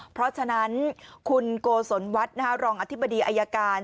เพราะฉะนั้นคุณโกศลวัฒน์รองอธิบดีอายการ